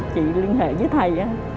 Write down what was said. chị liên hệ với thầy